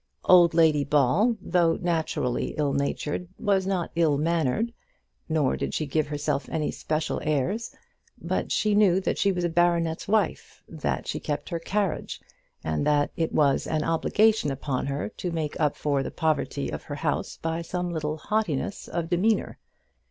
Old Lady Ball, though naturally ill natured, was not ill mannered, nor did she give herself any special airs; but she knew that she was a baronet's wife, that she kept her carriage, and that it was an obligation upon her to make up for the poverty of her house by some little haughtiness of demeanour.